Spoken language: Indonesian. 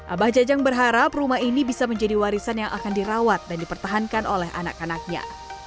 abah jajang berharap rumah ini bisa menjadi warisan yang akan dirawat dan dipertahankan oleh anak anaknya